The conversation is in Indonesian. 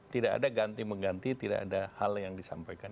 tidak ada ganti mengganti tidak ada hal yang disampaikan